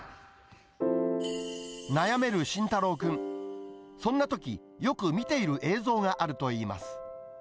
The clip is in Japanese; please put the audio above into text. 悩める心大朗君、そんなとき、よく見ている映像があるといいます。